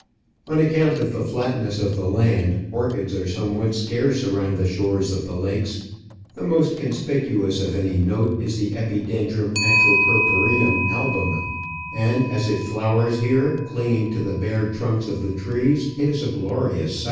On account of the flatness of the land, orchids are somewhat scarce around the shores of the lakes ; the most conspicuous of any note is the EpidendrMm atropurpureMin album, and as it flowers here, clinging to the bare trunks of the trees, it is a glorious sight.